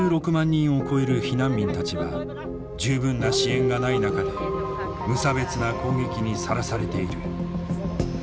人を超える避難民たちが十分な支援がない中で無差別な攻撃にさらされている。